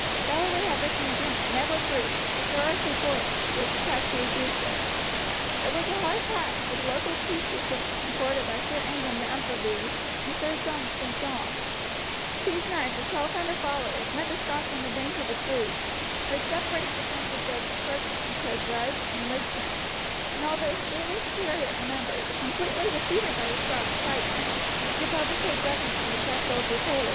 Galloway had risen again, and Edward Bruce, with Sir Archie Forbes, was detached to reduce it. It was a hard task, for the local chiefs were supported by Sir Ingram de Umfraville and Sir John de St. John; these knights, with 1200 followers, met the Scots on the banks of the Cree, which separates the countries of Kirkcudbright and Wigton, and although greatly superior in numbers, were completely defeated by the Scottish pikemen, and compelled to take refuge in the castle of Butele.